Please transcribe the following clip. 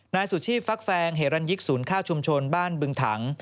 นายสุชีพฟักแฟงเฮรันยิกศูนย์ข้าวชุมชนบ้านบึงถัง